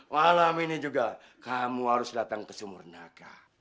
malam ini juga kamu harus datang ke sumur naga